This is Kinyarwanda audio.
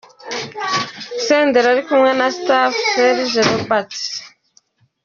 Senderi ari kumwe na Staff Sergent Robert.